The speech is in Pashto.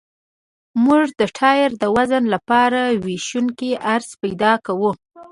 موږ د ټایر د وزن لپاره ویشونکی عرض پیدا کوو